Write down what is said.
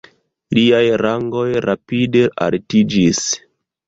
Liaj rangoj rapide altiĝis.